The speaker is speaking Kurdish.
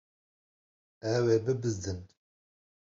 Ew ê bibizdin.